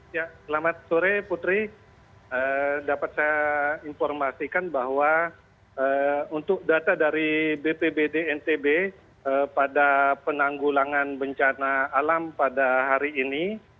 ya selamat sore putri dapat saya informasikan bahwa untuk data dari bpbd ntb pada penanggulangan bencana alam pada hari ini